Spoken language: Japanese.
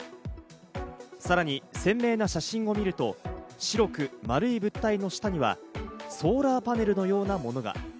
さらに鮮明な写真を見ると、白く丸い物体の下にはソーラーパネルのようなものが。